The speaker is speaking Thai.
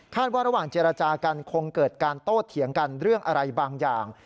ว่าระหว่างเจรจากันคงเกิดการโต้เถียงกันเรื่องอะไรบางอย่าง